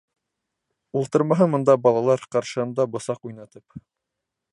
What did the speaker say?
Ултырмаһын бында балалар ҡаршыһында бысаҡ уйнатып.